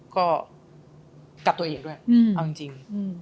กับตัวเองด้วยเอาจริง